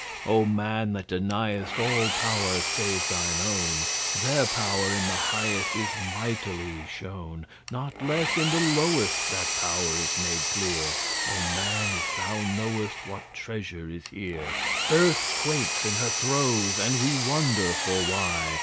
(Oh, man that deniest All power save thine own, Their power in the highest Is mightily shown. Not less in the lowest That power is made clear. Oh, man, if thou knowest, What treasure is here!) Earth quakes in her throes And we wonder for why!